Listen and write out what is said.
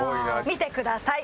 見てください！